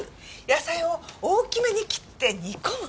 野菜を大きめに切って煮込む。